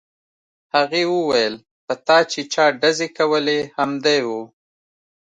هغې وویل په تا چې چا ډزې کولې همدی و